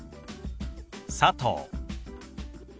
「佐藤」。